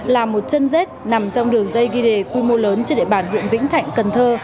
là một chân rết nằm trong đường dây ghi đề quy mô lớn trên địa bàn huyện vĩnh thạnh cần thơ